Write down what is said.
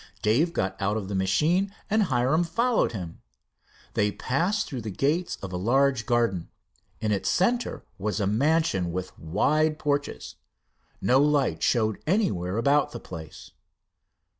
Dave got out of the machine and Hiram followed him. They passed through the gates of a large garden. In its center was a mansion with wide porches. No light showed anywhere about the place.